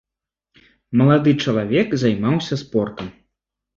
Малады чалавек займаўся спортам.